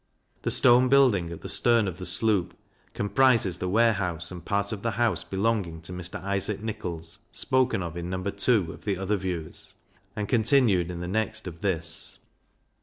The stone building at the stern of the Sloop, comprises the Warehouse and part of the House belonging to Mr. Isaac Nichols, spoken of in No. II. of the other Views, and continued in the next of this.